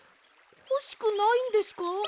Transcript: ほしくないんですか？